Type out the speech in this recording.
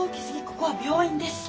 ここは病院です。